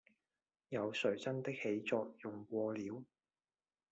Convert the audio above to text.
有誰真的起作用過了